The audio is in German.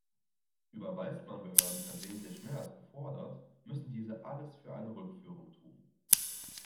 Überweist man Behörden versehentlich mehr als gefordert, müssen diese alles für eine Rückführung tun.